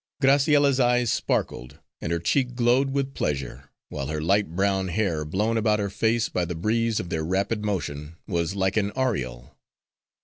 Graciella's eyes sparkled and her cheek glowed with pleasure, while her light brown hair blown about her face by the breeze of their rapid motion was like an aureole.